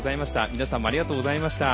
皆さんもありがとうございました。